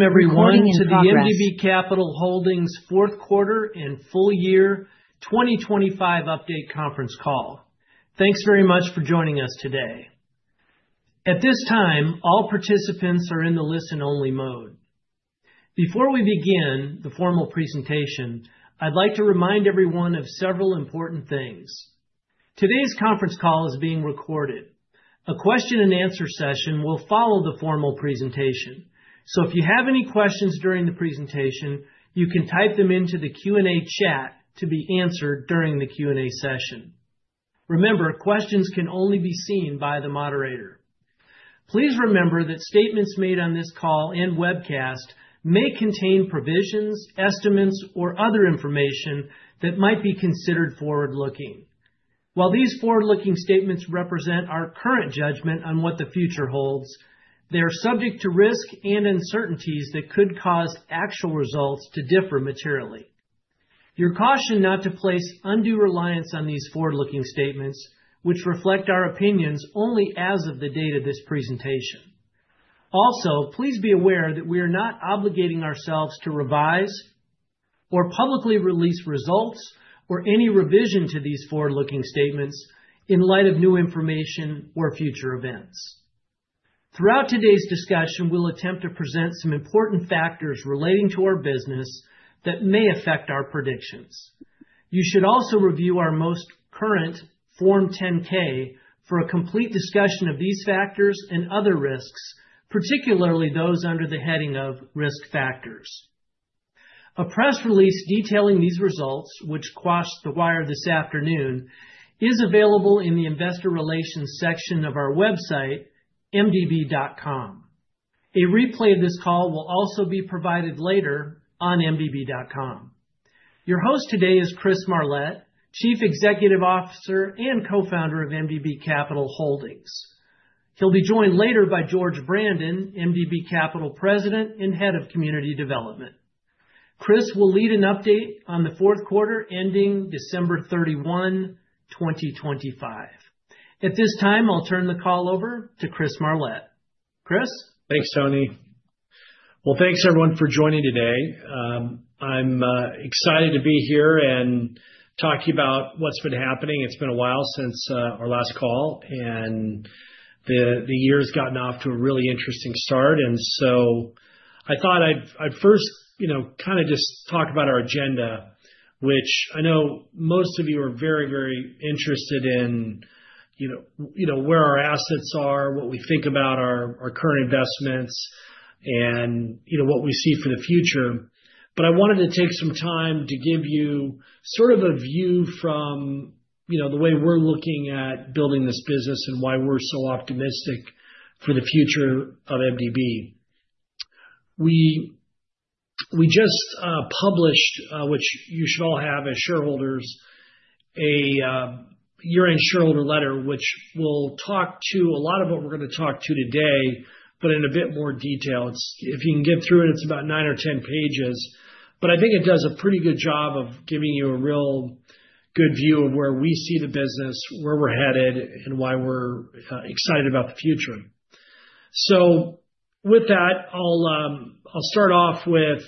everyone to the MDB Capital Holdings fourth quarter and full year 2025 update conference call. Thanks very much for joining us today. At this time, all participants are in the listen-only mode. Before we begin the formal presentation, I'd like to remind everyone of several important things. Today's conference call is being recorded. A question-and-answer session will follow the formal presentation. If you have any questions during the presentation, you can type them into the Q&A chat to be answered during the Q&A session. Remember, questions can only be seen by the moderator. Please remember that statements made on this call and webcast may contain provisions, estimates, or other information that might be considered forward-looking. While these forward-looking statements represent our current judgment on what the future holds, they are subject to risks and uncertainties that could cause actual results to differ materially. You're cautioned not to place undue reliance on these forward-looking statements, which reflect our opinions only as of the date of this presentation. Also, please be aware that we are not obligating ourselves to revise or publicly release results or any revision to these forward-looking statements in light of new information or future events. Throughout today's discussion, we'll attempt to present some important factors relating to our business that may affect our predictions. You should also review our most current Form 10-K for a complete discussion of these factors and other risks, particularly those under the heading of Risk Factors. A press release detailing these results, which crossed the wire this afternoon, is available in the investor relations section of our website, mdb.com. A replay of this call will also be provided later on mdb.com. Your host today is Chris Marlett, Chief Executive Officer and Co-founder of MDB Capital Holdings. He'll be joined later by George Brandon, MDB Capital President and Head of Community Development. Chris will lead an update on the fourth quarter ending December 31, 2025. At this time, I'll turn the call over to Chris Marlett. Chris? Thanks, Tony. Well, thanks everyone for joining today. I'm excited to be here and talk to you about what's been happening. It's been a while since our last call, and the year's gotten off to a really interesting start. I thought I'd first, you know, kinda just talk about our agenda, which I know most of you are very, very interested in, you know, you know, where our assets are, what we think about our current investments, and, you know, what we see for the future. I wanted to take some time to give you sort of a view from, you know, the way we're looking at building this business and why we're so optimistic for the future of MDB. We just published, which you should all have as shareholders, year-end shareholder letter, which we'll talk to a lot of what we're gonna talk to today, but in a bit more detail. It's. If you can get through it's about nine or 10 pages. I think it does a pretty good job of giving you a real good view of where we see the business, where we're headed, and why we're excited about the future. With that, I'll start off with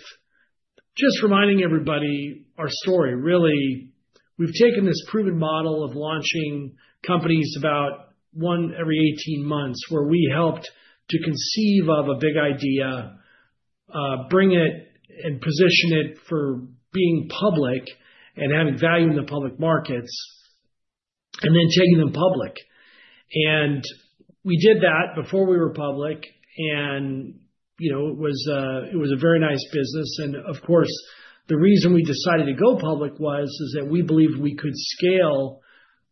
just reminding everybody our story. Really, we've taken this proven model of launching companies about one every 18 months, where we helped to conceive of a big idea, bring it and position it for being public and having value in the public markets, and then taking them public. We did that before we were public and, you know, it was a very nice business. Of course, the reason we decided to go public was that we believed we could scale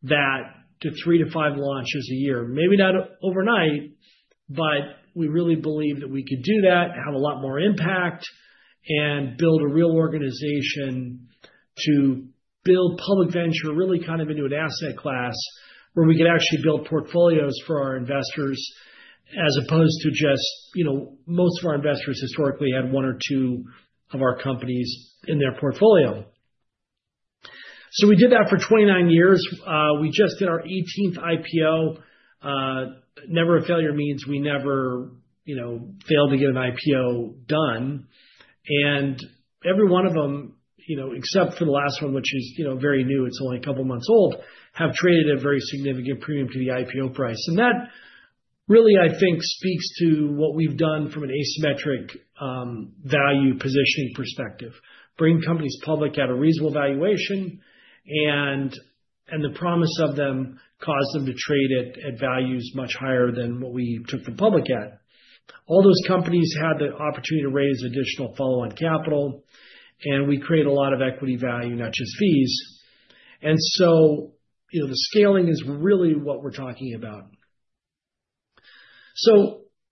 that to three to five launches a year. Maybe not overnight, but we really believed that we could do that, have a lot more impact, and build a real organization to build public venture really kind of into an asset class where we could actually build portfolios for our investors as opposed to just, you know, most of our investors historically had one or two of our companies in their portfolio. We did that for 29 years. We just did our 18th IPO. Never a failure means we never, you know, failed to get an IPO done. Every one of them, you know, except for the last one, which is, you know, very new, it's only a couple of months old, have traded at a very significant premium to the IPO price. That really, I think, speaks to what we've done from an asymmetric value positioning perspective, bringing companies public at a reasonable valuation and the promise of them caused them to trade at values much higher than what we took them public at. All those companies had the opportunity to raise additional follow-on capital, and we create a lot of equity value, not just fees. You know, the scaling is really what we're talking about.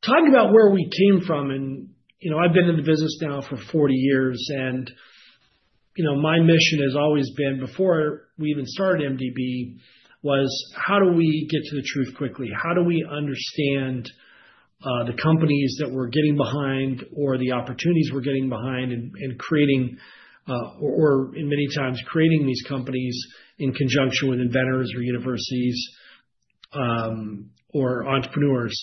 Talking about where we came from and, you know, I've been in the business now for 40 years and, you know, my mission has always been, before we even started MDB, was how do we get to the truth quickly? How do we understand the companies that we're getting behind or the opportunities we're getting behind and creating or many times creating these companies in conjunction with inventors or universities or entrepreneurs.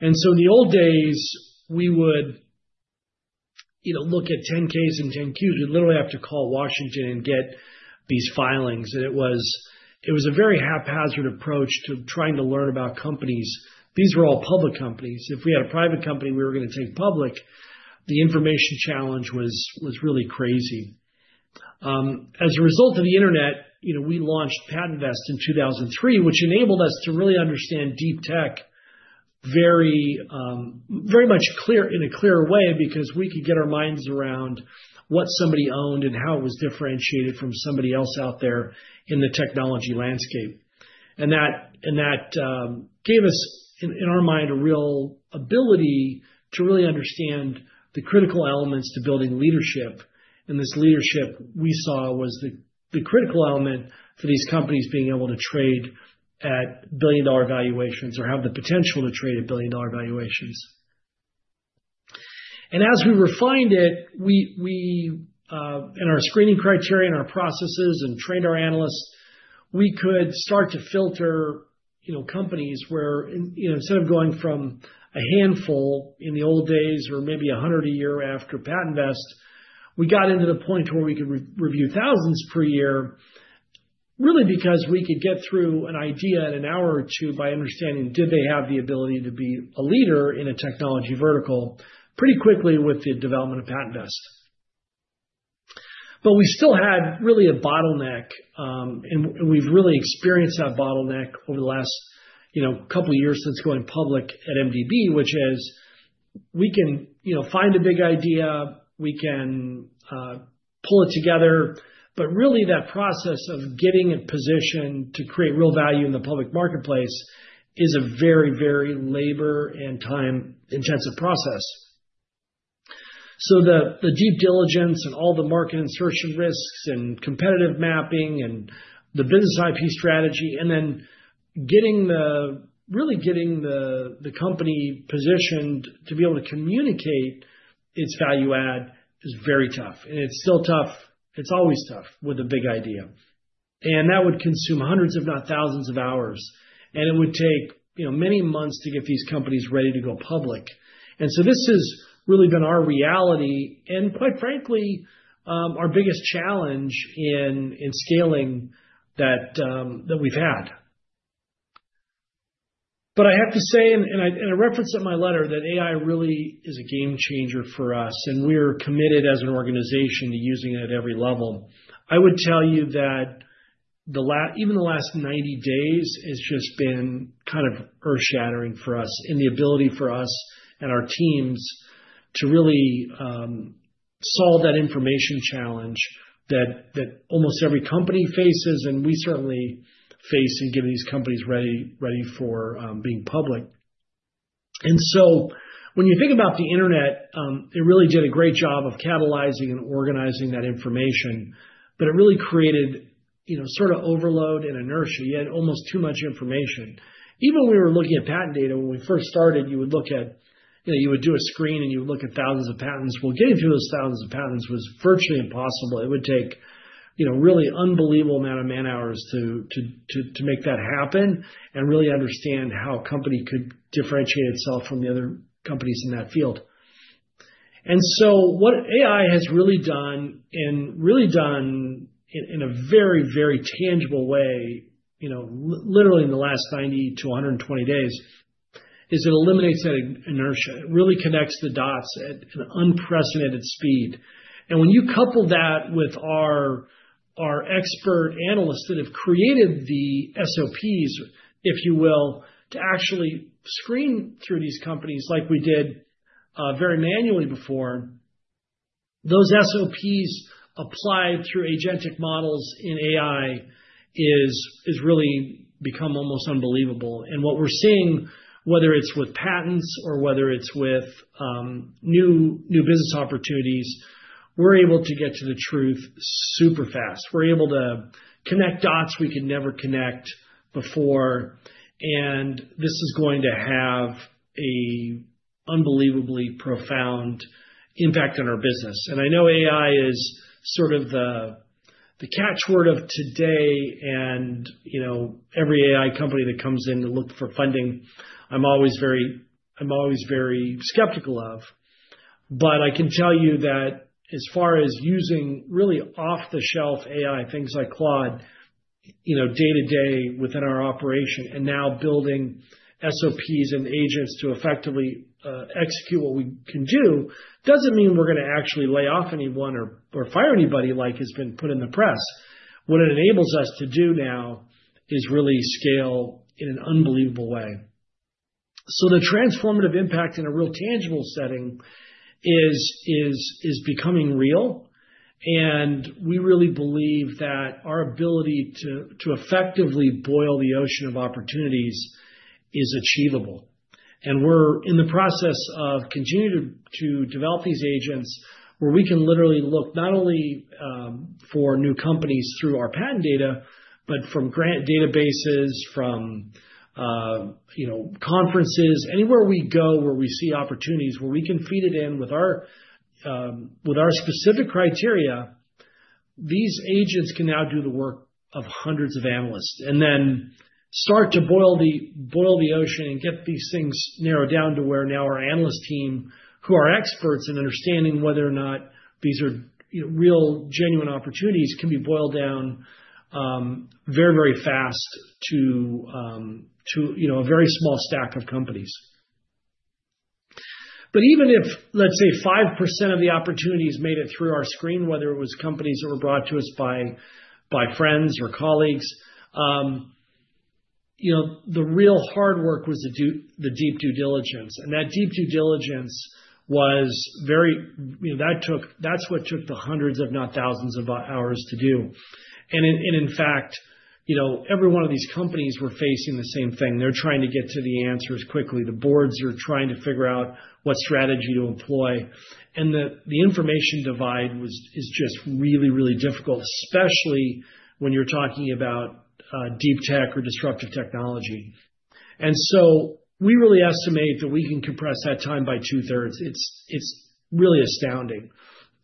In the old days, we would, you know, look at 10-Ks and 10-Qs. You literally have to call Washington and get these filings. It was a very haphazard approach to trying to learn about companies. These were all public companies. If we had a private company we were gonna take public, the information challenge was really crazy. As a result of the Internet, you know, we launched PatentVest in 2003, which enabled us to really understand deep tech very much in a clearer way because we could get our minds around what somebody owned and how it was differentiated from somebody else out there in the technology landscape. That gave us, in our mind, a real ability to really understand the critical elements to building leadership. This leadership we saw was the critical element for these companies being able to trade at billion-dollar valuations or have the potential to trade at billion-dollar valuations. As we refined it, we in our screening criteria and our processes and trained our analysts, we could start to filter, you know, companies where, you know, instead of going from a handful in the old days or maybe 100 a year after PatentVest, we got into the point where we could re-review thousands per year, really because we could get through an idea in an hour or two by understanding, did they have the ability to be a leader in a technology vertical pretty quickly with the development of PatentVest. We still had really a bottleneck, and we've really experienced that bottleneck over the last, you know, couple of years since going public at MDB, which is we can, you know, find a big idea, we can pull it together, but really that process of getting a position to create real value in the public marketplace is a very, very labor and time-intensive process. The due diligence and all the market insertion risks and competitive mapping and the business IP strategy and then really getting the company positioned to be able to communicate its value add is very tough. It's still tough. It's always tough with a big idea. That would consume hundreds if not thousands of hours, and it would take, you know, many months to get these companies ready to go public. This has really been our reality and quite frankly, our biggest challenge in scaling that we've had. I have to say, I referenced in my letter that AI really is a game changer for us, and we're committed as an organization to using it at every level. I would tell you that even the last 90 days has just been kind of earth-shattering for us in the ability for us and our teams to really solve that information challenge that almost every company faces, and we certainly face in getting these companies ready for being public. When you think about the Internet, it really did a great job of catalyzing and organizing that information, but it really created, you know, sort of overload and inertia. You had almost too much information. Even when we were looking at patent data, when we first started, you would look at, you know, you would do a screen, and you would look at thousands of patents. Well, getting through those thousands of patents was virtually impossible. It would take, you know, really unbelievable amount of man-hours to make that happen and really understand how a company could differentiate itself from the other companies in that field. What AI has really done, and really done in a very, very tangible way, you know, literally in the last 90-120 days, is it eliminates that inertia. It really connects the dots at an unprecedented speed. When you couple that with our expert analysts that have created the SOPs, if you will, to actually screen through these companies like we did very manually before, those SOPs applied through agentic models in AI is really become almost unbelievable. What we're seeing, whether it's with patents or whether it's with new business opportunities, we're able to get to the truth super fast. We're able to connect dots we could never connect before, and this is going to have a unbelievably profound impact on our business. I know AI is sort of the catchword of today and, you know, every AI company that comes in to look for funding, I'm always very skeptical of. I can tell you that as far as using really off-the-shelf AI, things like Claude, you know, day-to-day within our operation and now building SOPs and agents to effectively execute what we can do, doesn't mean we're gonna actually lay off anyone or fire anybody like has been put in the press. What it enables us to do now is really scale in an unbelievable way. The transformative impact in a real tangible setting is becoming real, and we really believe that our ability to effectively boil the ocean of opportunities is achievable. We're in the process of continuing to develop these agents where we can literally look not only for new companies through our patent data, but from grant databases, from, you know, conferences, anywhere we go where we see opportunities where we can feed it in with our specific criteria. These agents can now do the work of hundreds of analysts and then start to boil the ocean and get these things narrowed down to where now our analyst team, who are experts in understanding whether or not these are, you know, real genuine opportunities, can be boiled down very, very fast to, you know, a very small stack of companies. Even if, let's say 5% of the opportunities made it through our screen, whether it was companies that were brought to us by friends or colleagues, you know, the real hard work was the deep due diligence. That deep due diligence was very, you know, that's what took the hundreds if not thousands of hours to do. In fact, you know, every one of these companies were facing the same thing. They're trying to get to the answers quickly. The boards are trying to figure out what strategy to employ. The information divide is just really, really difficult, especially when you're talking about deep tech or disruptive technology. We really estimate that we can compress that time by 2/3. It's really astounding.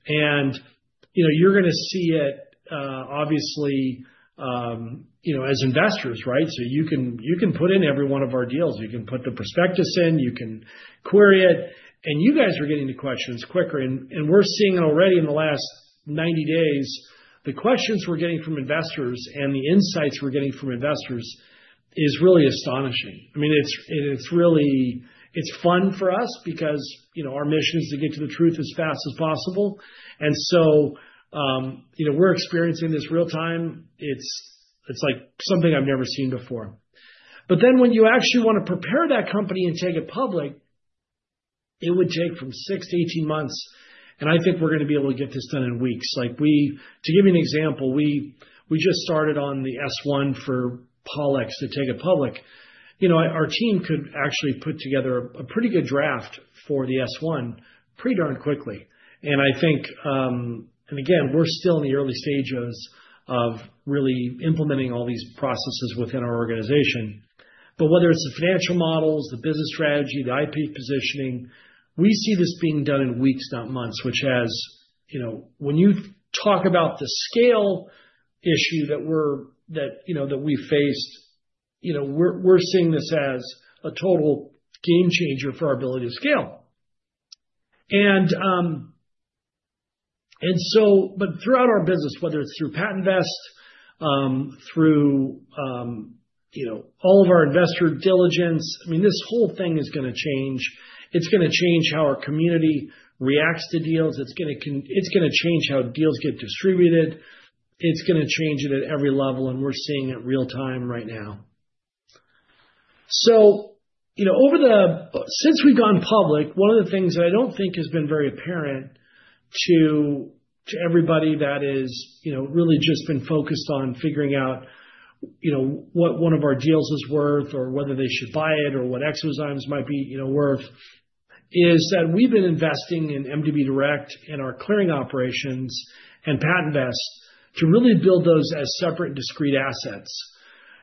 You know, you're gonna see it, obviously, as investors, right? You can put in every one of our deals. You can put the prospectus in, you can query it, and you guys are getting the questions quicker. And we're seeing already in the last 90 days, the questions we're getting from investors and the insights we're getting from investors is really astonishing. I mean, it's really fun for us because, you know, our mission is to get to the truth as fast as possible. You know, we're experiencing this real time. It's like something I've never seen before. But then when you actually wanna prepare that company and take it public, it would take from six to 18 months, and I think we're gonna be able to get this done in weeks. To give you an example, we just started on the S-1 for POLX to take it public. You know, our team could actually put together a pretty good draft for the S-1 pretty darn quickly. I think, and again, we're still in the early stages of really implementing all these processes within our organization. Whether it's the financial models, the business strategy, the IP positioning, we see this being done in weeks, not months, which has, you know, when you talk about the scale issue that we faced, you know, we're seeing this as a total game changer for our ability to scale. Throughout our business, whether it's through PatentVest, through, you know, all of our investor diligence, I mean, this whole thing is gonna change. It's gonna change how our community reacts to deals. It's gonna change how deals get distributed. It's gonna change it at every level, and we're seeing it real time right now. Since we've gone public, one of the things that I don't think has been very apparent to everybody that is really just been focused on figuring out what one of our deals is worth or whether they should buy it or what eXoZymes might be worth is that we've been investing in MDB Direct in our clearing operations and PatentVest to really build those as separate discrete assets.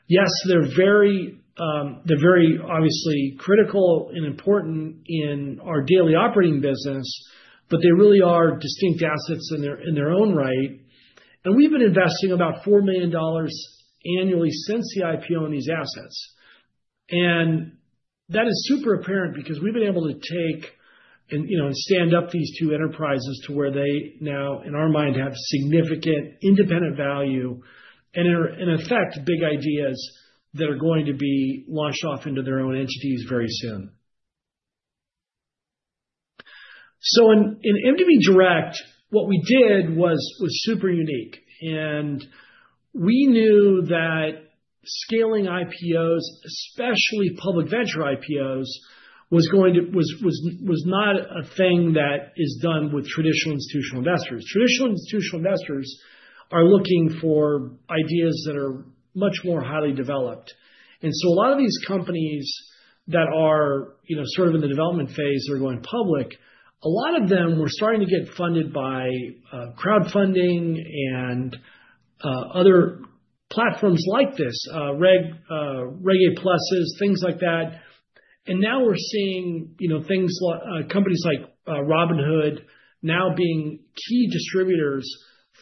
Yes, they're very, they're very obviously critical and important in our daily operating business, but they really are distinct assets in their own right. We've been investing about $4 million annually since the IPO in these assets. That is super apparent because we've been able to take and, you know, and stand up these two enterprises to where they now, in our mind, have significant independent value and are in effect big ideas that are going to be launched off into their own entities very soon. In MDB Direct, what we did was super unique. We knew that scaling IPOs, especially public venture IPOs, was going to not a thing that is done with traditional institutional investors. Traditional institutional investors are looking for ideas that are much more highly developed. A lot of these companies that are, you know, sort of in the development phase that are going public, a lot of them were starting to get funded by crowdfunding and other platforms like this, Reg A pluses, things like that. Now we're seeing, you know, things like companies like Robinhood now being key distributors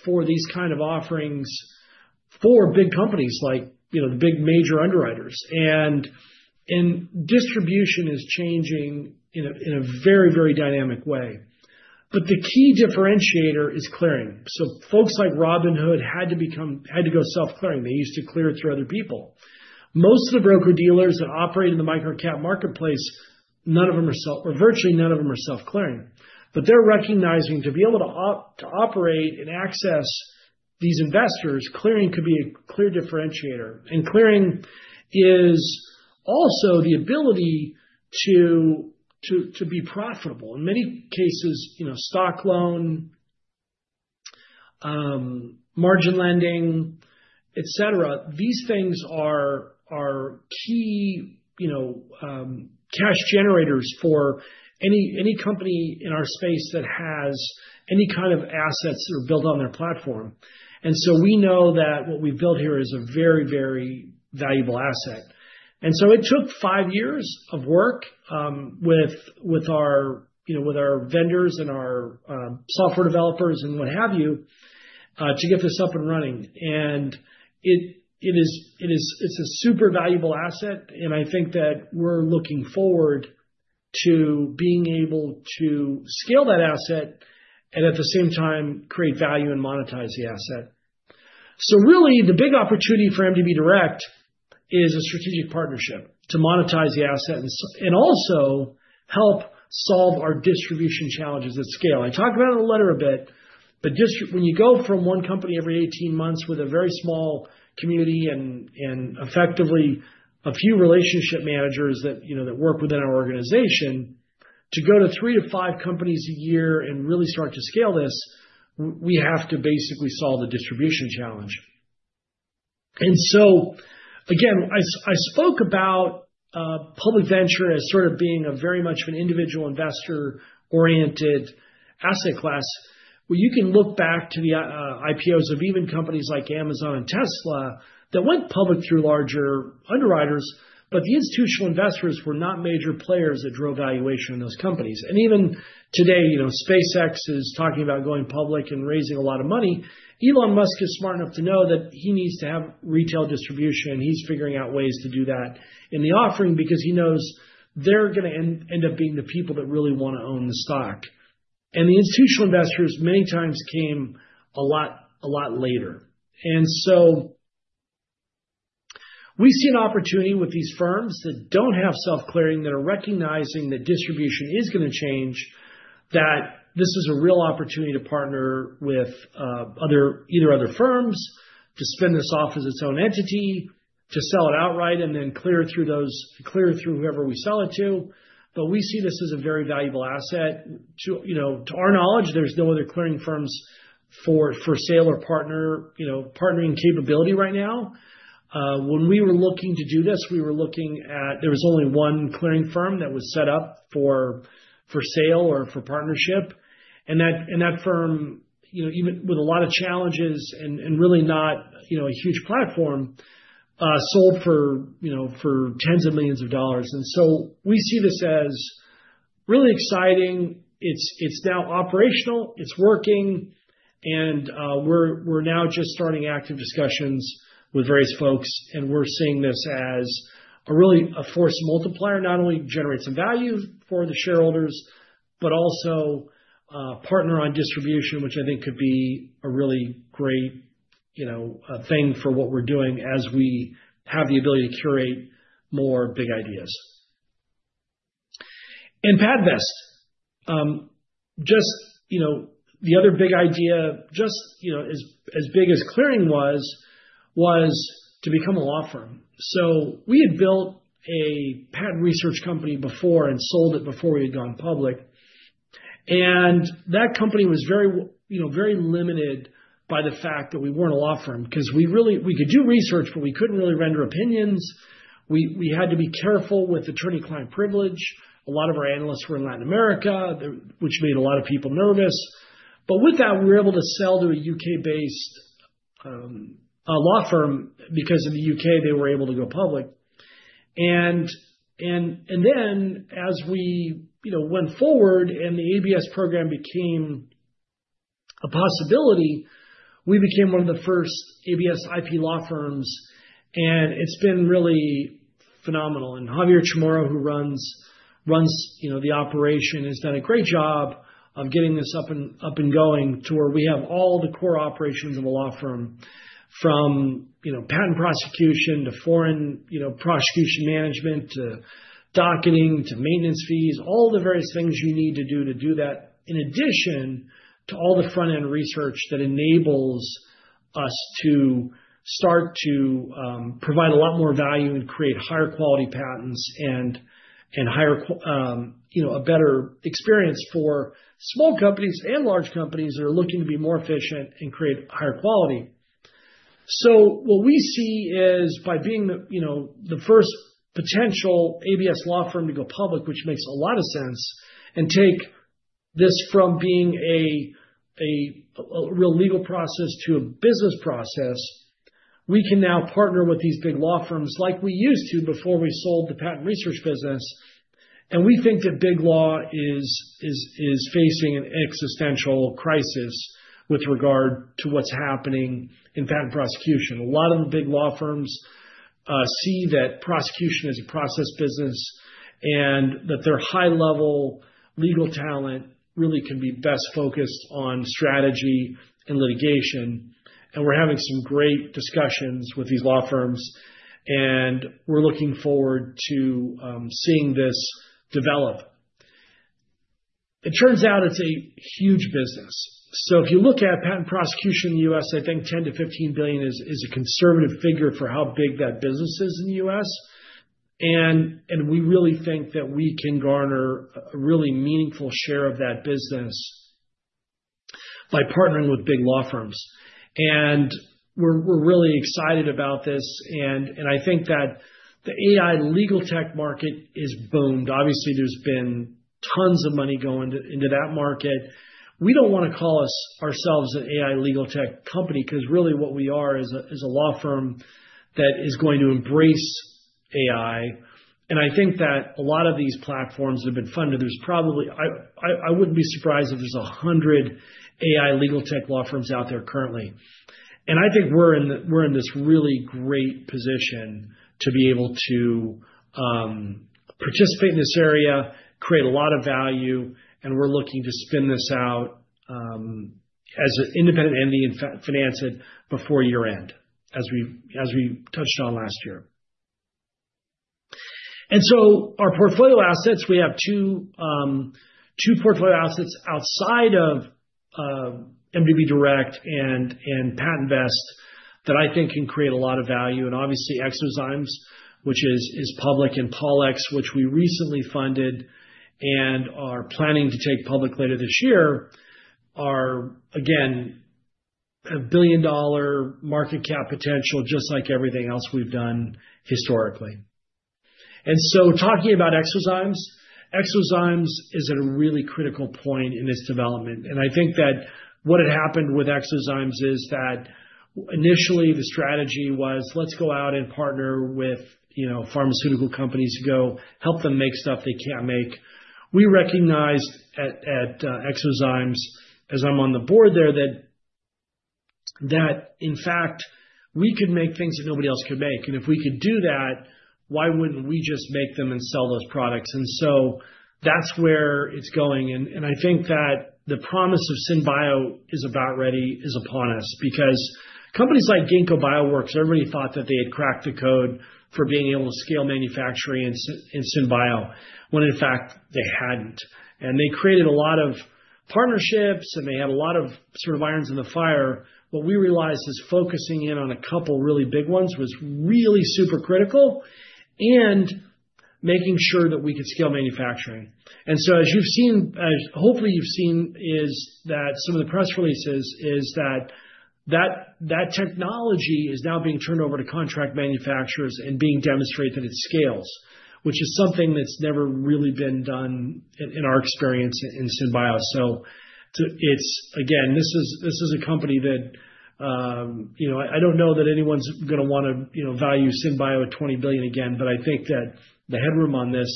for these kind of offerings for big companies like, you know, the big major underwriters. Distribution is changing in a very, very dynamic way. The key differentiator is clearing. Folks like Robinhood had to become, had to go self-clearing. They used to clear it through other people. Most of the broker-dealers that operate in the microcap marketplace, none of them are self-clearing or virtually none of them are self-clearing. They're recognizing to be able to operate and access these investors, clearing could be a clear differentiator. Clearing is also the ability to be profitable. In many cases, you know, stock loan, margin lending, etc. These things are key, you know, cash generators for any company in our space that has any kind of assets that are built on their platform. We know that what we've built here is a very, very valuable asset. It took five years of work, with our vendors and our software developers and what have you, to get this up and running. It's a super valuable asset, and I think that we're looking forward to being able to scale that asset and at the same time create value and monetize the asset. Really the big opportunity for MDB Direct is a strategic partnership to monetize the asset and also help solve our distribution challenges at scale. I talk about it in the letter a bit, but. When you go from one company every 18 months with a very small community and effectively a few relationship managers that, you know, that work within our organization, to go to three to five companies a year and really start to scale this, we have to basically solve the distribution challenge. Again, I spoke about public venture as sort of being a very much an individual investor-oriented asset class, where you can look back to the IPOs of even companies like Amazon and Tesla that went public through larger underwriters, but the institutional investors were not major players that drove valuation in those companies. Even today, you know, SpaceX is talking about going public and raising a lot of money. Elon Musk is smart enough to know that he needs to have retail distribution. He's figuring out ways to do that in the offering because he knows they're gonna end up being the people that really wanna own the stock. The institutional investors many times came a lot later. We see an opportunity with these firms that don't have self-clearing, that are recognizing that distribution is gonna change, that this is a real opportunity to partner with either other firms to spin this off as its own entity, to sell it outright and then clear it through whoever we sell it to. We see this as a very valuable asset. You know, to our knowledge, there's no other clearing firms for sale or partnering capability right now. When we were looking to do this, there was only one clearing firm that was set up for sale or for partnership. That firm, you know, even with a lot of challenges and really not, you know, a huge platform, sold for, you know, tens of millions of dollars. We see this as really exciting. It's now operational, it's working, and we're now just starting active discussions with various folks, and we're seeing this as a really a force multiplier. Not only generates some value for the shareholders, but also a partner on distribution, which I think could be a really great, you know, thing for what we're doing as we have the ability to curate more big ideas. PatentVest, just, you know, the other big idea, just, you know, as big as clearing was to become a law firm. We had built a patent research company before and sold it before we had gone public. That company was very you know, very limited by the fact that we weren't a law firm, 'cause we could do research, but we couldn't really render opinions. We had to be careful with attorney-client privilege. A lot of our analysts were in Latin America, which made a lot of people nervous. With that, we were able to sell to a U.K.-based law firm. Because in the U.K., they were able to go public. Then as we, you know, went forward and the ABS program became a possibility, we became one of the first ABS IP law firms, and it's been really phenomenal. Javier Chamorro, who runs you know the operation, has done a great job of getting this up and going to where we have all the core operations of a law firm from you know patent prosecution to foreign you know prosecution management to docketing to maintenance fees. All the various things you need to do that, in addition to all the front-end research that enables us to start to provide a lot more value and create higher quality patents and you know a better experience for small companies and large companies that are looking to be more efficient and create higher quality. What we see is by being the you know the first potential ABS law firm to go public, which makes a lot of sense, and take this from being a real legal process to a business process, we can now partner with these big law firms like we used to before we sold the patent research business. We think that big law is facing an existential crisis with regard to what's happening in patent prosecution. A lot of the big law firms see that prosecution is a process business and that their high-level legal talent really can be best focused on strategy and litigation. We're having some great discussions with these law firms, and we're looking forward to seeing this develop. It turns out it's a huge business. If you look at patent prosecution in the U.S., I think $10 billion-$15 billion is a conservative figure for how big that business is in the U.S. We really think that we can garner a really meaningful share of that business by partnering with big law firms. We're really excited about this. I think that the AI legal tech market is booming. Obviously, there's been tons of money going into that market. We don't wanna call ourselves an AI legal tech company, 'cause really what we are is a law firm that is going to embrace AI. I think that a lot of these platforms have been funded. There's probably. I wouldn't be surprised if there's 100 AI legal tech law firms out there currently. I think we're in this really great position to be able to participate in this area, create a lot of value, and we're looking to spin this out as an independent entity and finance it before year-end, as we touched on last year. Our portfolio assets, we have two portfolio assets outside of MDB Direct and PatentVest that I think can create a lot of value. Obviously, eXoZymes, which is public, and POLX, which we recently funded and are planning to take public later this year, are again a billion-dollar market cap potential, just like everything else we've done historically. Talking about eXoZymes. eXoZymes is at a really critical point in its development, and I think that what had happened with eXoZymes is that initially the strategy was, let's go out and partner with, you know, pharmaceutical companies to go help them make stuff they can't make. We recognized at eXoZymes, as I'm on the board there, that in fact we could make things that nobody else could make. If we could do that, why wouldn't we just make them and sell those products? I think that the promise of SynBio is about ready, is upon us. Because companies like Ginkgo Bioworks, everybody thought that they had cracked the code for being able to scale manufacturing in SynBio, when in fact they hadn't. They created a lot of partnerships, and they had a lot of sort of irons in the fire. What we realized is focusing in on a couple really big ones was really super critical and making sure that we could scale manufacturing. As you've seen, hopefully you've seen, that technology is now being turned over to contract manufacturers and being demonstrated that it scales, which is something that's never really been done in our experience in SynBio. It's again, this is a company that, you know, I don't know that anyone's gonna wanna, you know, value SynBio at $20 billion again, but I think that the headroom on this,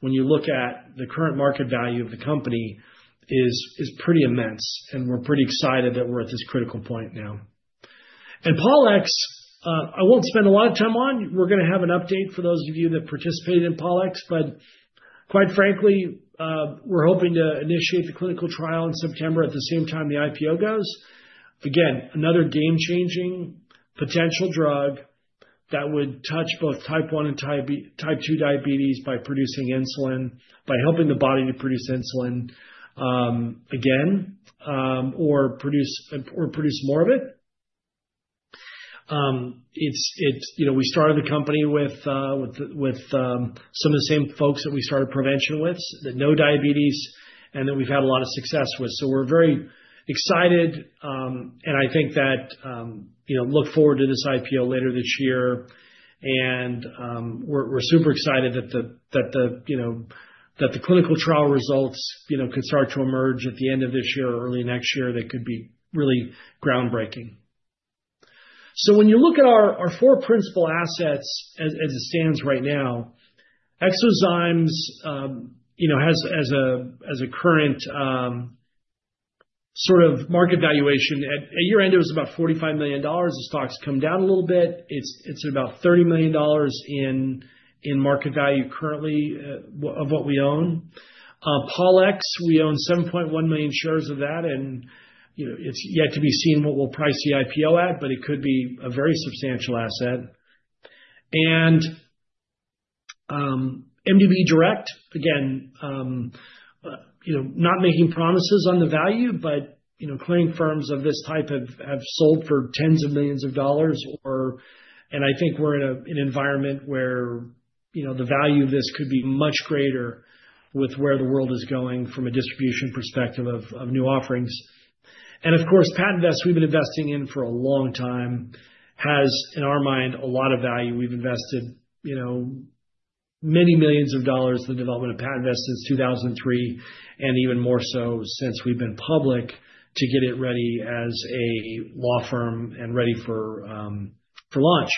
when you look at the current market value of the company, is pretty immense. We're pretty excited that we're at this critical point now. Paulex, I won't spend a lot of time on. We're gonna have an update for those of you that participated in Paulex, but quite frankly, we're hoping to initiate the clinical trial in September at the same time the IPO goes. Again, another game-changing potential drug that would touch both Type 1 and Type 2 diabetes by producing insulin, by helping the body to produce insulin, again, or produce more of it. It's. You know, we started the company with some of the same folks that we started Prevention with, that know diabetes and that we've had a lot of success with. We're very excited. I think that, you know, look forward to this IPO later this year. We're super excited that the clinical trial results, you know, could start to emerge at the end of this year or early next year. They could be really groundbreaking. When you look at our four principal assets as it stands right now, eXoZymes, you know, has a current sort of market valuation. At year-end, it was about $45 million. The stock's come down a little bit. It's at about $30 million in market value currently of what we own. POLX, we own 7.1 million shares of that. It's yet to be seen what we'll price the IPO at, but it could be a very substantial asset. MDB Direct, again, you know, not making promises on the value, but, you know, clearing firms of this type have sold for tens of millions of dollars. I think we're in an environment where, you know, the value of this could be much greater with where the world is going from a distribution perspective of new offerings. Of course, PatentVest, we've been investing in for a long time, has, in our mind, a lot of value. We've invested, you know, many millions of dollars in the development of PatentVest since 2003, and even more so since we've been public, to get it ready as a law firm and ready for launch.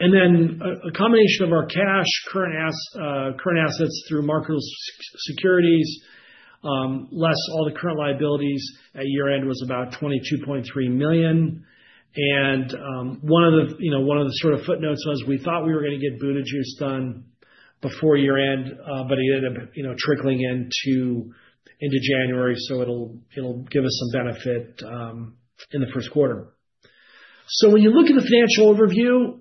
Then a combination of our cash, current assets through market securities, less all the current liabilities at year-end was about $22.3 million. One of the, you know, sort of footnotes was we thought we were gonna get Buda Juice done before year-end, but it ended up trickling into January, so it'll give us some benefit in the first quarter. When you look at the financial overview,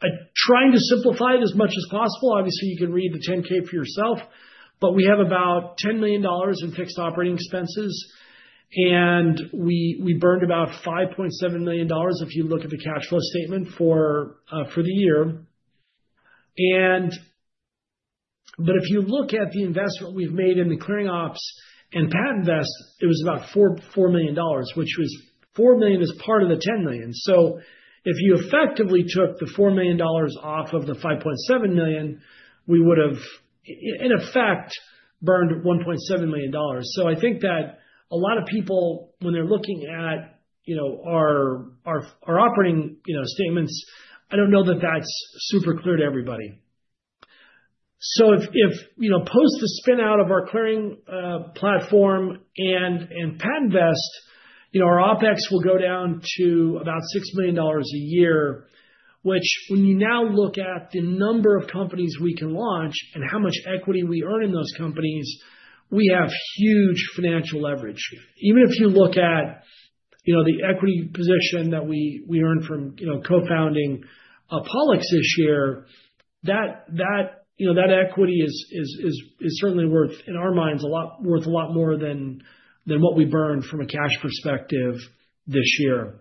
I tried to simplify it as much as possible. Obviously, you can read the 10-K for yourself, but we have about $10 million in fixed operating expenses, and we burned about $5.7 million, if you look at the cash flow statement for the year. If you look at the investment we've made in the clearing ops and PatentVest, it was about $4 million, which was $4 million as part of the $10 million. If you effectively took the $4 million off of the $5.7 million, we would have in effect burned $1.7 million. I think that a lot of people, when they're looking at, you know, our operating, you know, statements, I don't know that that's super clear to everybody. If, you know, post the spin-out of our clearing platform and PatentVest, you know, our OpEx will go down to about $6 million a year, which when you now look at the number of companies we can launch and how much equity we earn in those companies, we have huge financial leverage. Even if you look at, you know, the equity position that we earn from, you know, co-founding Polaryx this year, that equity is certainly worth, in our minds, a lot, worth a lot more than what we burned from a cash perspective this year.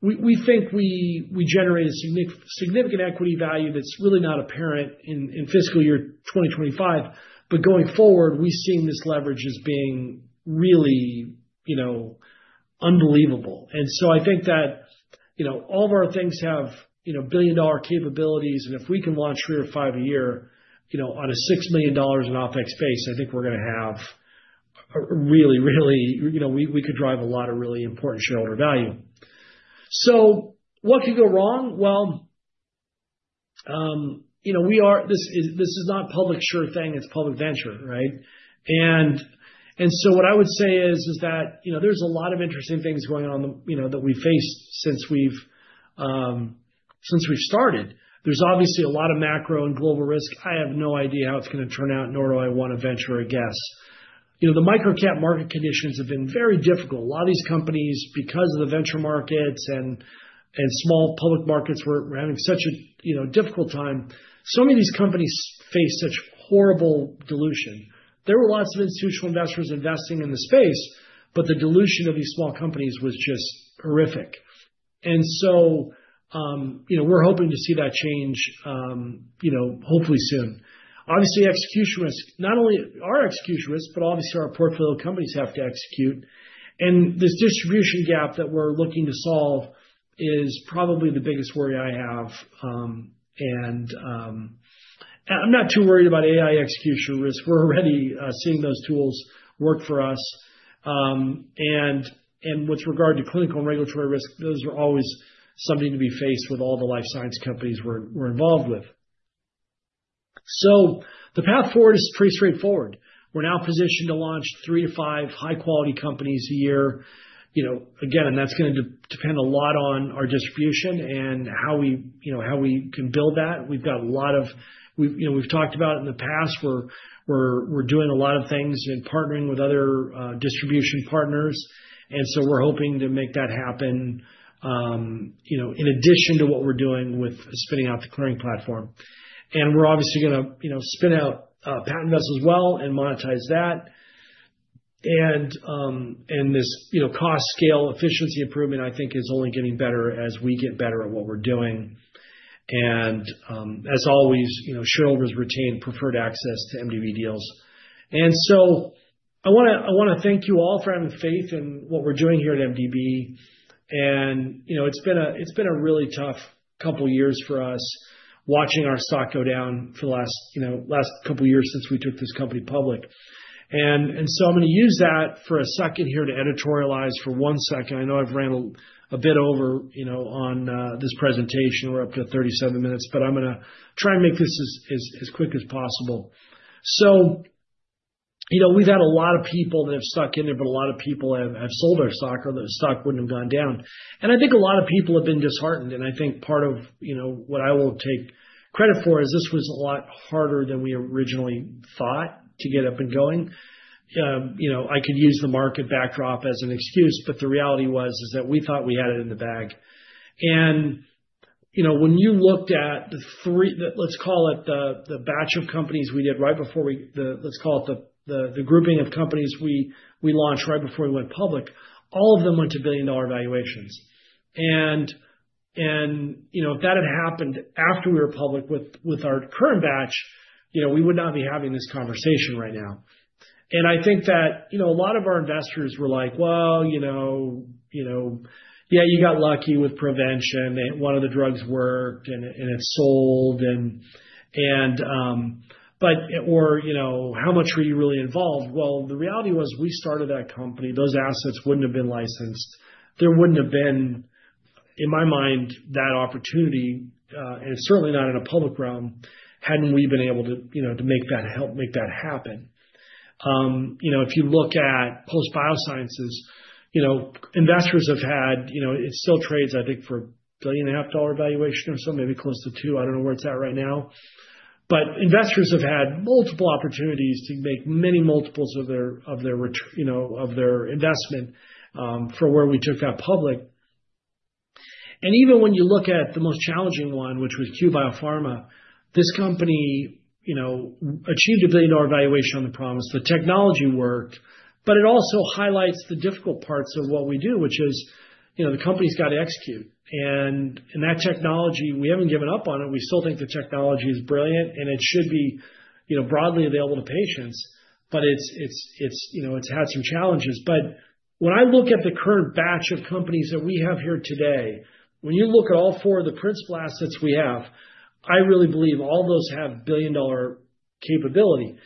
We think we generate a significant equity value that's really not apparent in fiscal year 2025, but going forward, we've seen this leverage as being really, you know, unbelievable. I think that, you know, all of our things have, you know, billion-dollar capabilities, and if we can launch three or five a year, you know, on a $6 million in OpEx base, I think we're gonna have a really. You know, we could drive a lot of really important shareholder value. What could go wrong? Well, this is not a sure thing, it's public venture, right? What I would say is that there's a lot of interesting things going on that we faced since we've started. There's obviously a lot of macro and global risk. I have no idea how it's gonna turn out, nor do I wanna venture a guess. The microcap market conditions have been very difficult. A lot of these companies, because of the venture markets and small public markets, were having such a difficult time. Many of these companies face such horrible dilution. There were lots of institutional investors investing in the space, but the dilution of these small companies was just horrific. You know, we're hoping to see that change, you know, hopefully soon. Obviously, execution risk. Not only our execution risk, but obviously our portfolio companies have to execute. This distribution gap that we're looking to solve is probably the biggest worry I have. I'm not too worried about AI execution risk. We're already seeing those tools work for us. With regard to clinical and regulatory risk, those are always something to be faced with all the life science companies we're involved with. The path forward is pretty straightforward. We're now positioned to launch 3-5 high-quality companies a year. You know, again, that's gonna depend a lot on our distribution and how we, you know, how we can build that. We've got a lot of, you know, we've talked about in the past, we're doing a lot of things and partnering with other distribution partners, and so we're hoping to make that happen, you know, in addition to what we're doing with spinning out the clearing platform. We're obviously gonna, you know, spin out PatentVest as well and monetize that. This, you know, cost scale efficiency improvement, I think is only getting better as we get better at what we're doing. As always, you know, shareholders retain preferred access to MDB deals. I wanna thank you all for having faith in what we're doing here at MDB. You know, it's been a really tough couple years for us, watching our stock go down for the last, you know, last couple years since we took this company public. So I'm gonna use that for a second here to editorialize for one second. I know I've ran a bit over, you know, on this presentation. We're up to 37 minutes, but I'm gonna try and make this as quick as possible. You know, we've had a lot of people that have stuck in there, but a lot of people have sold our stock or the stock wouldn't have gone down. I think a lot of people have been disheartened, and I think part of, you know, what I will take credit for is this was a lot harder than we originally thought to get up and going. You know, I could use the market backdrop as an excuse, but the reality was, is that we thought we had it in the bag. You know, when you looked at the batch of companies we launched right before we went public, all of them went to billion-dollar valuations. You know, if that had happened after we were public with our current batch, you know, we would not be having this conversation right now. I think that, you know, a lot of our investors were like, "Well, you know, yeah, you got lucky with Prevention. One of the drugs worked and it sold." You know, how much were you really involved? Well, the reality was, we started that company. Those assets wouldn't have been licensed. There wouldn't have been, in my mind, that opportunity, and certainly not in a public realm, hadn't we been able to, you know, to help make that happen. You know, if you look at Post BioSciences, you know, investors have had, you know, it still trades, I think, for a $1.5 billion valuation or so, maybe close to $2 billion. I don't know where it's at right now. Investors have had multiple opportunities to make many multiples of their you know of their investment from where we took that public. Even when you look at the most challenging one, which was Q BioMed, this company you know achieved a billion-dollar valuation on the promise. The technology worked, but it also highlights the difficult parts of what we do, which is you know the company's gotta execute. In that technology, we haven't given up on it. We still think the technology is brilliant and it should be you know broadly available to patients. It's you know it's had some challenges. When I look at the current batch of companies that we have here today, when you look at all four of the principal assets we have, I really believe all those have billion-dollar potential capability.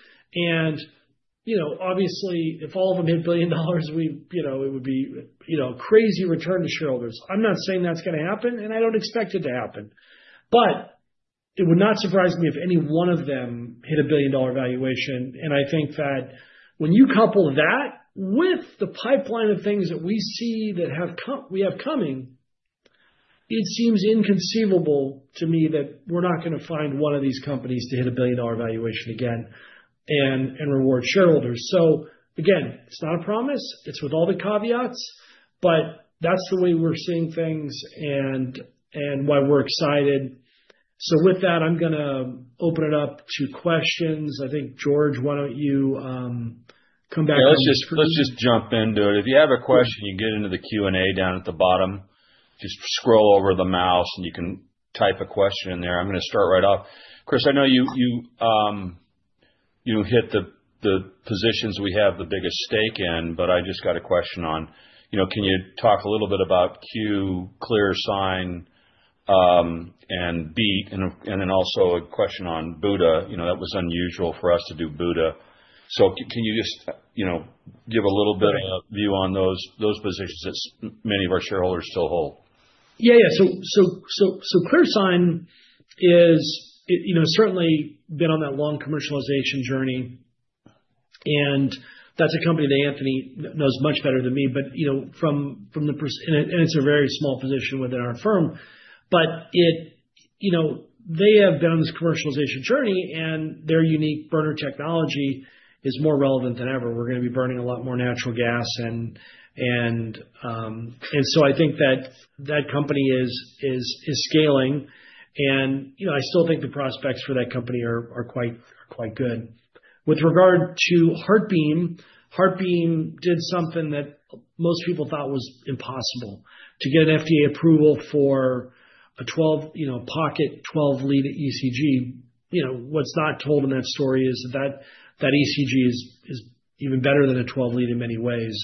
You know, obviously, if all of them hit $1 billion, we, you know, it would be, you know, crazy return to shareholders. I'm not saying that's gonna happen, and I don't expect it to happen. It would not surprise me if any one of them hit a billion-dollar valuation. I think that when you couple that with the pipeline of things that we see that we have coming, it seems inconceivable to me that we're not gonna find one of these companies to hit a billion-dollar valuation again and reward shareholders. Again, it's not a promise, it's with all the caveats, but that's the way we're seeing things and why we're excited. With that, I'm gonna open it up to questions. I think, George, why don't you come back on- Yeah. Let's just jump into it. If you have a question, you get into the Q&A down at the bottom. Just scroll over the mouse, and you can type a question in there. I'm gonna start right off. Chris, I know you hit the positions we have the biggest stake in, but I just got a question on, you know, can you talk a little bit about Q, ClearSign, and Beat? Then also a question on Buda. You know, that was unusual for us to do Buda. Can you just, you know, give a little bit of view on those positions that many of our shareholders still hold? ClearSign is, you know, certainly been on that long commercialization journey, and that's a company that Anthony knows much better than me. You know, from the perspective, and it's a very small position within our firm. You know, they have been on this commercialization journey, and their unique burner technology is more relevant than ever. We're gonna be burning a lot more natural gas and so I think that company is scaling. You know, I still think the prospects for that company are quite good. With regard to HeartBeam did something that most people thought was impossible, to get an FDA approval for a 12, you know, pocket 12-lead ECG. You know, what's not told in that story is that that ECG is even better than a 12-lead in many ways.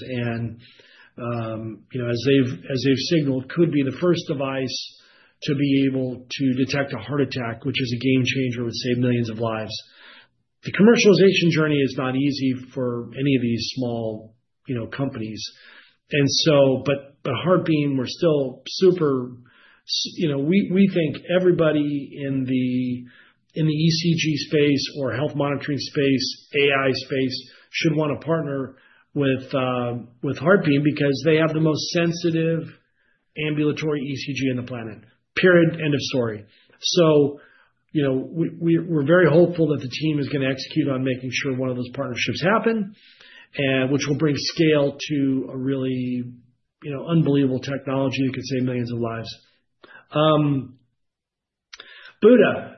You know, as they've signaled, could be the first device to be able to detect a heart attack, which is a game changer, would save millions of lives. The commercialization journey is not easy for any of these small, you know, companies. HeartBeam, we're still super. You know, we think everybody in the ECG space or health monitoring space, AI space should wanna partner with HeartBeam because they have the most sensitive ambulatory ECG on the planet, period, end of story. You know, we're very hopeful that the team is gonna execute on making sure one of those partnerships happen, which will bring scale to a really unbelievable technology that could save millions of lives. Buda.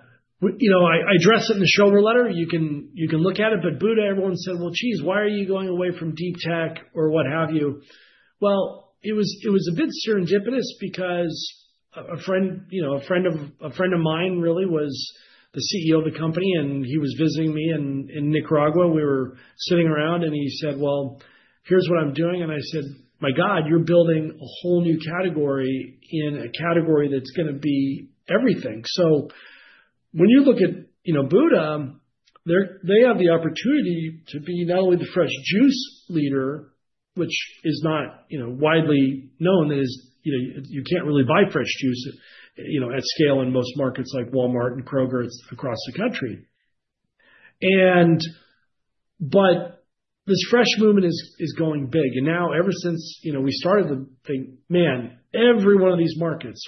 You know, I addressed it in the shareholder letter. You can look at it. Buda, everyone said, "Well, geez, why are you going away from deep tech or what have you?" Well, it was a bit serendipitous because a friend of mine really was the CEO of the company, and he was visiting me in Nicaragua. We were sitting around, and he said, "Well, here's what I'm doing." I said, "My God, you're building a whole new category in a category that's gonna be everything." When you look at, you know, Buda, they're they have the opportunity to be not only the fresh juice leader, which is not, you know, widely known as, you know, you can't really buy fresh juice, you know, at scale in most markets like Walmart and Kroger across the country. This fresh movement is going big. Now ever since, you know, we started the thing, man, every one of these markets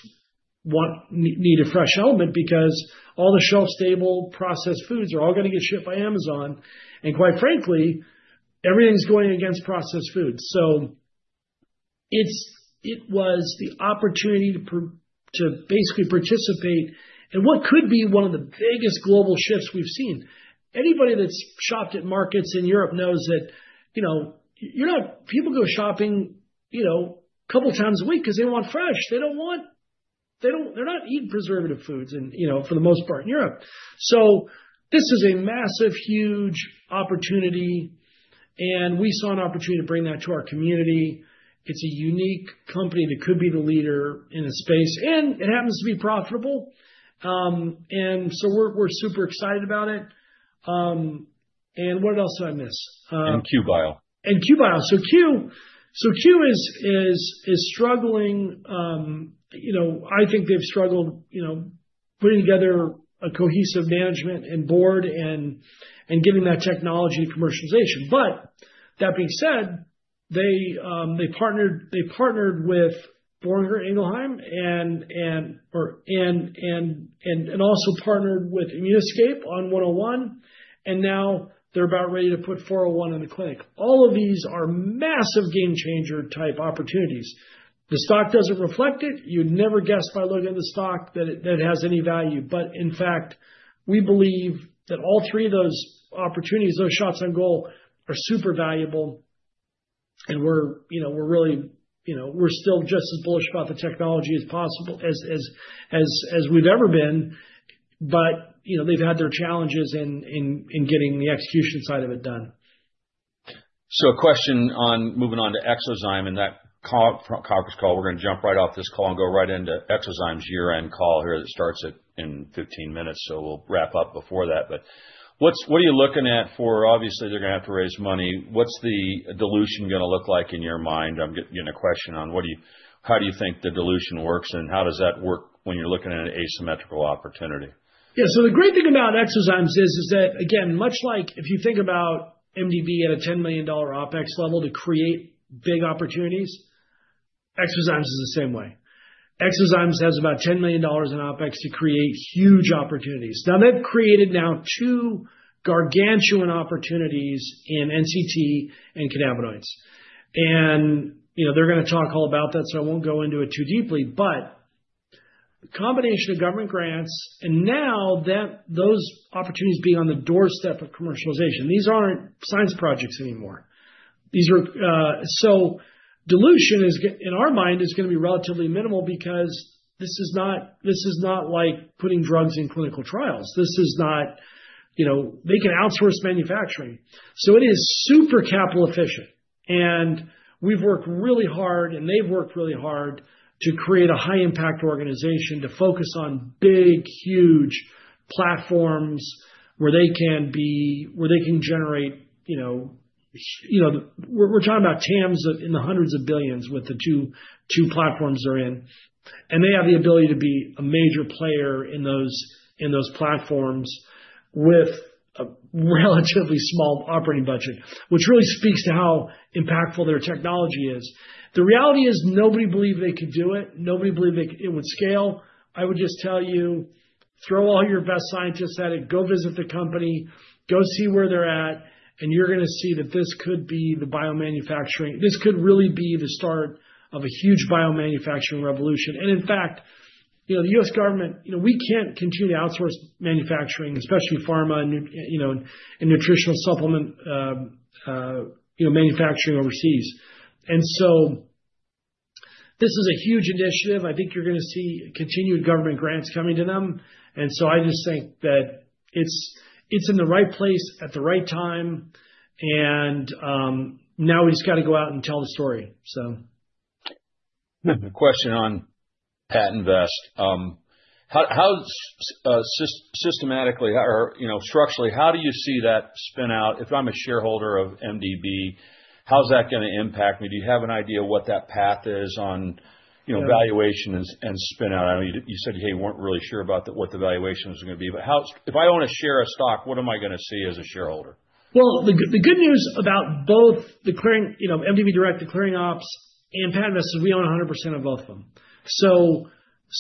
need a fresh element because all the shelf-stable processed foods are all gonna get shipped by Amazon. Quite frankly, everything's going against processed foods. It was the opportunity to basically participate in what could be one of the biggest global shifts we've seen. Anybody that's shopped at markets in Europe knows that, you know, you're not. People go shopping, you know, couple times a week 'cause they want fresh. They don't want. They're not eating preservative foods and, you know, for the most part in Europe. This is a massive, huge opportunity, and we saw an opportunity to bring that to our community. It's a unique company that could be the leader in a space, and it happens to be profitable. We're super excited about it. What else did I miss? Q BioMed. Cue. Cue is struggling. You know, I think they've struggled, you know, putting together a cohesive management and board and getting that technology commercialization. That being said, they partnered with Boehringer Ingelheim and also partnered with ImmunoScape on CUE-101, and now they're about ready to put CUE-401 in the clinic. All of these are massive game changer type opportunities. The stock doesn't reflect it. You'd never guess by looking at the stock that it has any value. In fact, we believe that all three of those opportunities, those shots on goal are super valuable. We're, you know, we're really, you know, we're still just as bullish about the technology as we've ever been. You know, they've had their challenges in getting the execution side of it done. A question on moving on to eXoZymes in that conference call. We're gonna jump right off this call and go right into eXoZymes's year-end call here that starts in 15 minutes, so we'll wrap up before that. What are you looking at for—obviously, they're gonna have to raise money. What's the dilution gonna look like in your mind? I'm getting a question on how do you think the dilution works, and how does that work when you're looking at an asymmetrical opportunity? Yeah. The great thing about eXoZymes is that, again, much like if you think about MDB at a $10 million OpEx level to create big opportunities, eXoZymes is the same way. eXoZymes has about $10 million in OpEx to create huge opportunities. Now they've created two gargantuan opportunities in NCT and cannabinoids. You know, they're gonna talk all about that, so I won't go into it too deeply. The combination of government grants and now that those opportunities being on the doorstep of commercialization, these aren't science projects anymore. Dilution is gonna be relatively minimal in our mind because this is not like putting drugs in clinical trials. This is not, you know, they can outsource manufacturing. It is super capital efficient. We've worked really hard, and they've worked really hard to create a high impact organization to focus on big, huge platforms where they can generate, you know, you know, we're talking about TAMS in the hundreds of billions with the two platforms they're in. They have the ability to be a major player in those platforms with a relatively small operating budget, which really speaks to how impactful their technology is. The reality is nobody believed they could do it. Nobody believed it would scale. I would just tell you, throw all your best scientists at it, go visit the company, go see where they're at, and you're gonna see that this could be the biomanufacturing. This could really be the start of a huge biomanufacturing revolution. In fact, you know, the U.S. government, you know, we can't continue to outsource manufacturing, especially pharma and you know, and nutritional supplement, you know, manufacturing overseas. This is a huge initiative. I think you're gonna see continued government grants coming to them. I just think that it's in the right place at the right time. Now we just gotta go out and tell the story. Question on PatentVest. How systematically or, you know, structurally, how do you see that spin out? If I'm a shareholder of MDB, how's that gonna impact me? Do you have an idea what that path is on, you know, valuation and spin out? I know you said you weren't really sure about what the valuation was gonna be. But if I own a share of stock, what am I gonna see as a shareholder? Well, the good news about both the clearing, you know, MDB Direct, the clearing ops and PatentVest is we own 100% of both of them. So,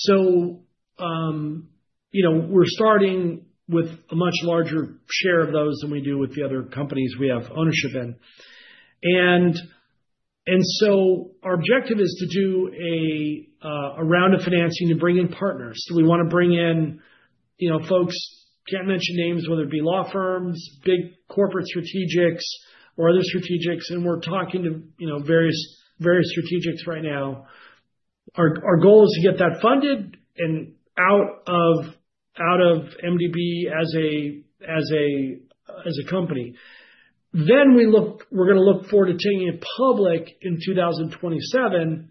you know, we're starting with a much larger share of those than we do with the other companies we have ownership in. our objective is to do a round of financing to bring in partners. we wanna bring in, you know, folks, can't mention names, whether it be law firms, big corporate strategics or other strategics, and we're talking to, you know, various strategics right now. Our goal is to get that funded and out of MDB as a company. We're gonna look forward to taking it public in 2027,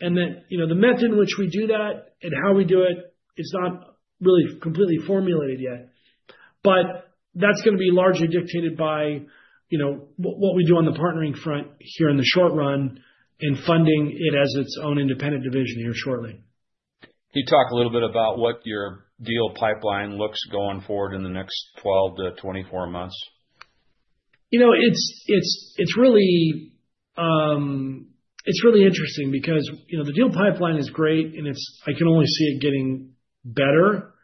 and then, you know, the method in which we do that and how we do it is not really completely formulated yet. That's gonna be largely dictated by, you know, what we do on the partnering front here in the short run in funding it as its own independent division here shortly. Can you talk a little bit about what your deal pipeline looks going forward in the next 12-24 months? You know, it's really interesting because, you know, the deal pipeline is great. I can only see it getting better.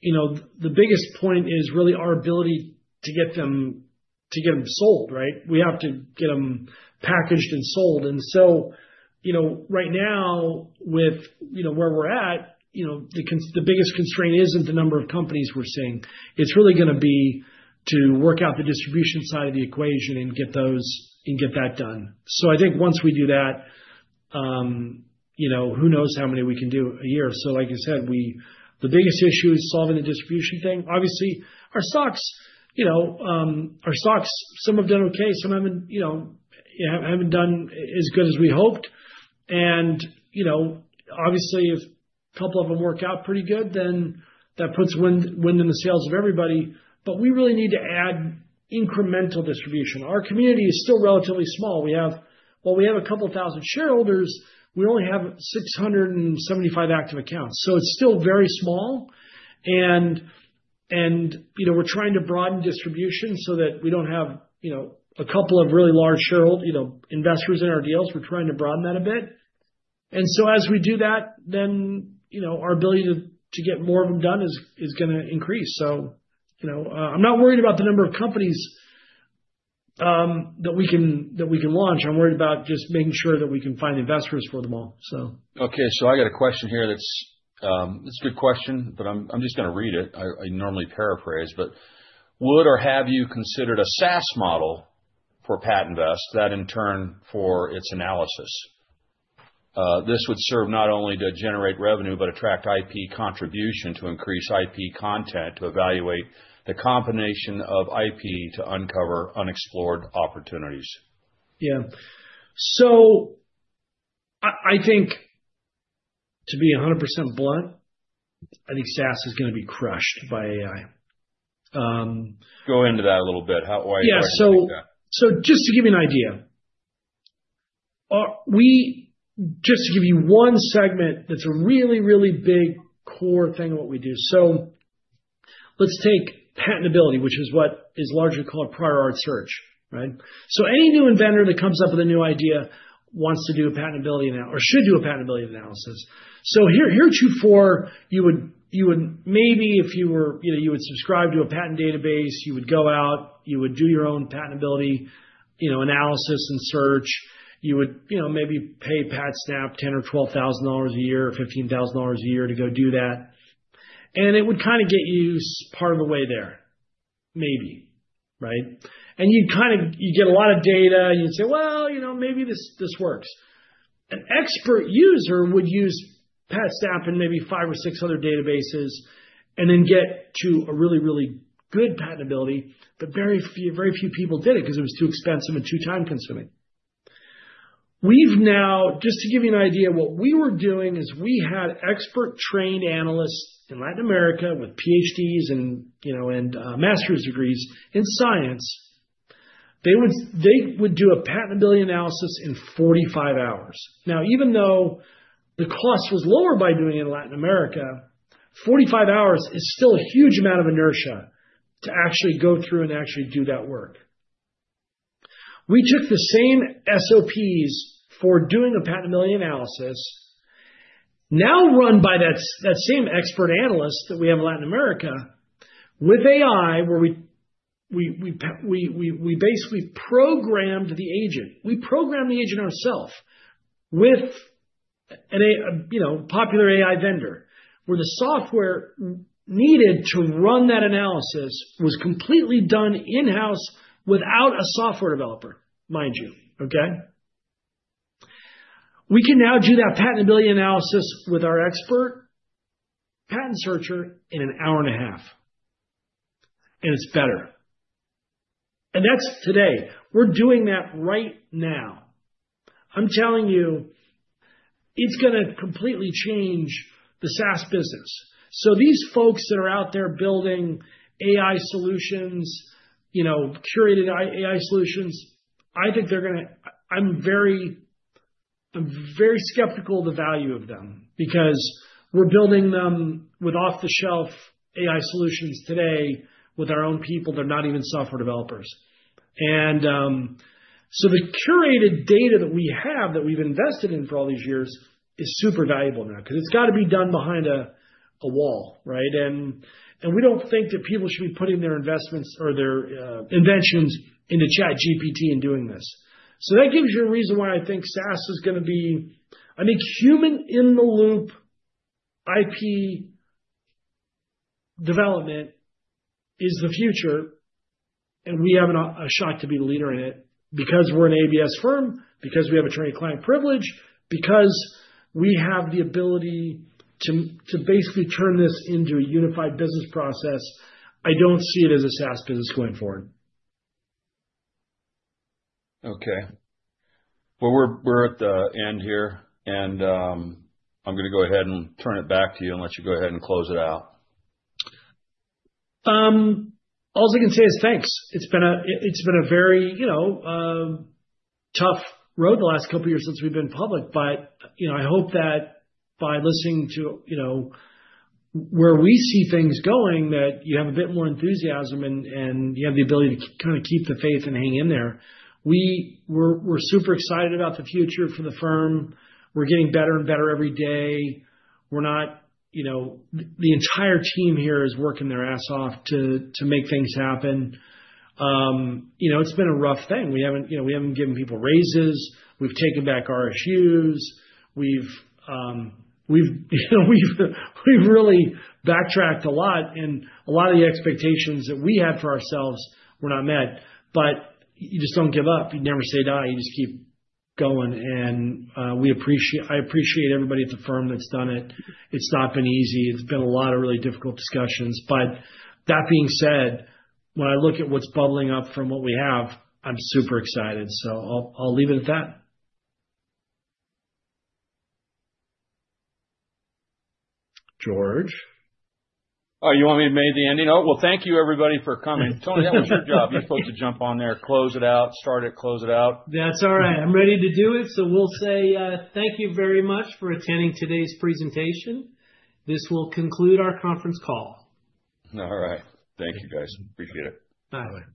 You know, the biggest point is really our ability to get them sold, right? We have to get them packaged and sold. You know, right now with, you know, where we're at, you know, the biggest constraint isn't the number of companies we're seeing. It's really gonna be to work out the distribution side of the equation and get that done. I think once we do that, you know, who knows how many we can do a year. Like you said, the biggest issue is solving the distribution thing. Obviously, our stocks, you know, some have done okay, some haven't, you know, haven't done as good as we hoped. You know, obviously, if a couple of them work out pretty good, then that puts wind in the sails of everybody. We really need to add incremental distribution. Our community is still relatively small. While we have a couple thousand shareholders, we only have 675 active accounts, so it's still very small. You know, we're trying to broaden distribution so that we don't have, you know, a couple of really large investors in our deals. We're trying to broaden that a bit. As we do that, then, you know, our ability to get more of them done is gonna increase. You know, I'm not worried about the number of companies that we can launch. I'm worried about just making sure that we can find investors for them all, so. Okay. I got a question here that's, it's a good question, but I'm just gonna read it. I normally paraphrase, but would or have you considered a SaaS model for PatentVest that in turn for its analysis? This would serve not only to generate revenue, but attract IP contribution to increase IP content to evaluate the combination of IP to uncover unexplored opportunities. Yeah. I think to be 100% blunt, I think SaaS is gonna be crushed by AI. Go into that a little bit. How, why do you think that? Just to give you one segment that's a really, really big core thing of what we do. Let's take patentability, which is what is largely called prior art search, right? Any new inventor that comes up with a new idea wants to do a patentability or should do a patentability analysis. Here at PatentVest, you would maybe if you were, you know, subscribe to a patent database, you would go out, you would do your own patentability, you know, analysis and search. You would, you know, maybe pay PatSnap $10,000 or $12,000 a year or $15,000 a year to go do that. It would kinda get you part of the way there, maybe, right? You'd kinda... You'd get a lot of data, and you'd say, "Well, you know, maybe this works." An expert user would use PatSnap and maybe five or six other databases and then get to a really, really good patentability, but very few people did it 'cause it was too expensive and too time-consuming. We've now just to give you an idea, what we were doing is we had expert-trained analysts in Latin America with PhDs and, you know, master's degrees in science. They would do a patentability analysis in 45 hours. Now, even though the cost was lower by doing it in Latin America, 45 hours is still a huge amount of inertia to actually go through and actually do that work. We took the same SOPs for doing a patentability analysis, now run by that same expert analyst that we have in Latin America with AI, where we basically programmed the agent. We programmed the agent ourselves with an AI, you know, popular AI vendor, where the software needed to run that analysis was completely done in-house without a software developer, mind you. Okay? We can now do that patentability analysis with our expert patent searcher in an hour and a half, and it's better. That's today. We're doing that right now. I'm telling you, it's gonna completely change the SaaS business. These folks that are out there building AI solutions, you know, curated AI solutions, I think they're gonna... I'm very skeptical of the value of them because we're building them with off-the-shelf AI solutions today with our own people. They're not even software developers. The curated data that we have, that we've invested in for all these years is super valuable now 'cause it's gotta be done behind a wall, right? We don't think that people should be putting their investments or their inventions into ChatGPT and doing this. That gives you a reason why I think SaaS is gonna be. I think human-in-the-loop IP development is the future, and we have a shot to be the leader in it because we're an ABS firm, because we have attorney-client privilege, because we have the ability to basically turn this into a unified business process. I don't see it as a SaaS business going forward. Okay. Well, we're at the end here and I'm gonna go ahead and turn it back to you and let you go ahead and close it out. All I can say is thanks. It's been a very, you know, tough road the last couple years since we've been public. I hope that by listening to, you know, where we see things going, that you have a bit more enthusiasm and you have the ability to kinda keep the faith and hang in there. We're super excited about the future for the firm. We're getting better and better every day. The entire team here is working their ass off to make things happen. It's been a rough thing. We haven't given people raises. We've taken back RSUs. We've really backtracked a lot, and a lot of the expectations that we had for ourselves were not met. You just don't give up. You never say die. You just keep going and I appreciate everybody at the firm that's done it. It's not been easy. It's been a lot of really difficult discussions. That being said, when I look at what's bubbling up from what we have, I'm super excited. I'll leave it at that. George? Oh, you want me to make the ending note? Well, thank you, everybody, for coming. Tony, that was your job. You're supposed to jump on there, close it out, start it, close it out. That's all right. I'm ready to do it. We'll say, thank you very much for attending today's presentation. This will conclude our conference call. All right. Thank you, guys. Appreciate it. Bye.